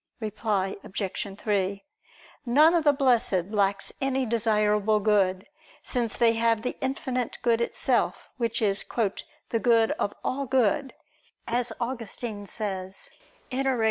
Reply Obj. 3: None of the Blessed lacks any desirable good; since they have the Infinite Good Itself, Which is "the good of all good," as Augustine says (Enarr.